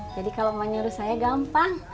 jadi kalau mau nyuruh saya gampang